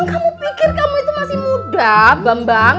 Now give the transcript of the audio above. kamu pikir kamu itu masih muda bambang